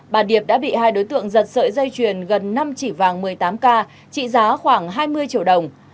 bà điệp đã bị hai đối tượng giật sợi dây chuyền gần năm chỉ vàng một mươi tám k trị giá khoảng hai mươi triệu đồng